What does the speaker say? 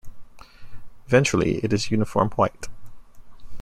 Ventrally it is uniform white.